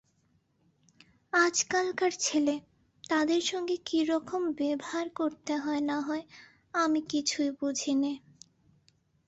আজকালকার ছেলে, তাদের সঙ্গে কিরকম ব্যাভার করতে হয় না-হয় আমি কিছুই বুঝি নে।